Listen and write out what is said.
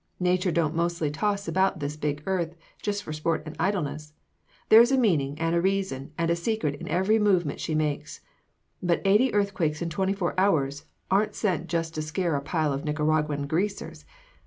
Natur' don't mostly toss about this big earth just for sport and idleness; there's a meaning and a reason and a secret in every movement she makes. But eighty earthquakes in twenty four hours aren't sent just to scare a pile of Nicaraguan Greasers.